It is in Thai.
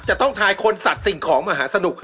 จะต้องทายคนสัตว์สิ่งของมหาสนุก